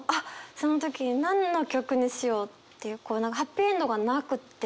その時に何の曲にしようっていうハッピーエンドがなくって。